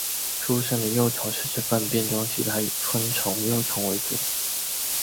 出生的幼虫是吃粪便中其他昆虫幼虫为生。